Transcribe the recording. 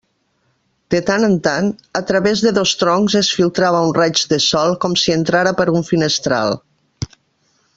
De tant en tant, a través de dos troncs es filtrava un raig de sol com si entrara per un finestral.